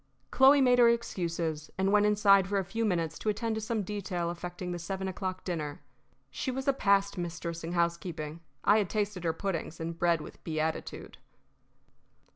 Chloe made her excuses, and went inside for a few minutes to attend to some detail affecting the seven o'clock dinner. She was a passed mistress in housekeeping. I had tasted her puddings and bread with beatitude.